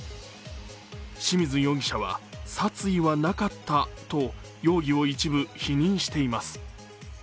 清水容疑者は殺意はなかったと容疑を一部否認しています。